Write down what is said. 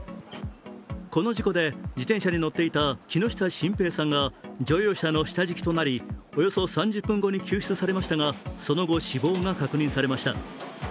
この事故で自転車に乗っていた木下晋平さんが乗用車の下敷きとなりおよそ３０分後に救出されましたが、その後死亡が確認されました。